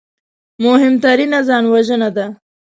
مهمترینه ځانوژنه ده